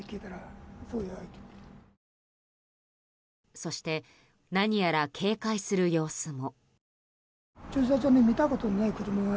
そして何やら警戒する様子も。